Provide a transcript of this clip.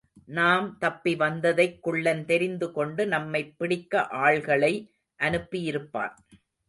நாம் தப்பி வந்ததைக் குள்ளன் தெரிந்துகொண்டு நம்மைப் பிடிக்க ஆள்களை அனுப்பியிருப்பான்.